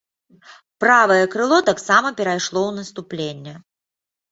Правае крыло таксама перайшло ў наступленне.